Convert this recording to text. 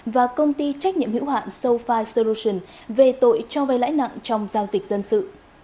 và công ty trách nhiệm hữu hạn sofi solution về tội cho vay lãi nặng trong giao dịch dân sự